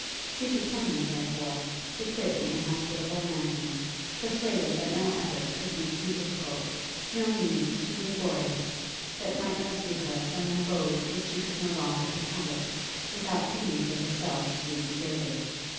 She determined, therefore, to quit the inhospitable mansion, persuaded that no efforts could be too difficult, no means too laborious, that might rescue her from an abode which she could no longer inhabit, without seeming to herself to be degraded.